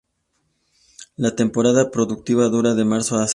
La temporada reproductiva dura de marzo a septiembre.